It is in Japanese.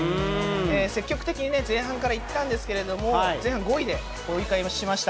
積極的に前半からいったんですけれども、前半５位で折り返しました。